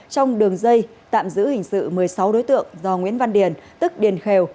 trong đường dây tạm giữ hình sự một mươi sáu đối tượng do nguyễn văn điền tức điền khèo